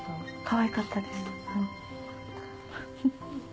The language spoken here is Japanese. かわいかったです。